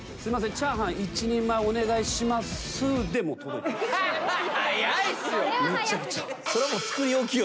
チャーハン１人前お願いしますでもう届いた早いっすよ！